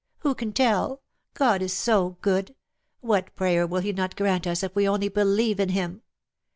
" Who can tell ? God is so good. What prayer "will He not grant ns if we only believe in Him